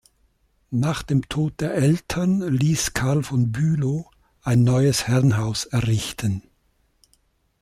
Nach dem Tod der Eltern ließ Carl von Bülow ein neues Herrenhaus errichten.